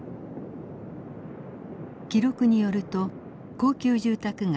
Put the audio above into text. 記録によると高級住宅街